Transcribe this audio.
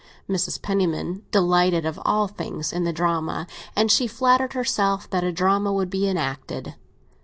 Mrs. Penniman delighted of all things in a drama, and she flattered herself that a drama would now be enacted.